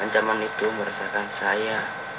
ancaman itu meresahkan saya